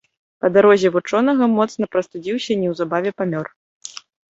Па дарозе вучонага моцна прастудзіўся і неўзабаве памёр.